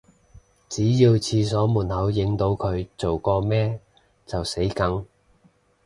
只要廁所門口影到佢做過咩就死梗